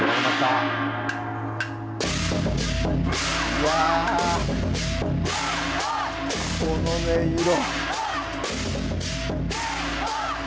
うわー、この音色。